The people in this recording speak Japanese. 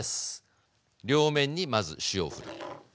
両面にまず塩をふる。